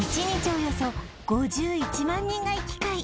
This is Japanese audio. およそ５１万人が行き交い